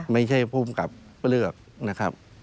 ไม่ใช่ภูมิกับเลือกนะครับ